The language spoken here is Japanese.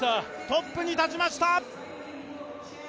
トップに立ちました。